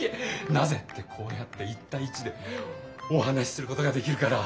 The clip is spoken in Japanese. なぜってこうやって１たい１でお話しすることができるから。